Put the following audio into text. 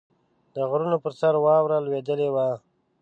د غرونو پر سر واوره لوېدلې وه.